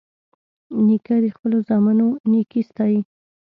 نیکه د خپلو زامنو نیکي ستايي.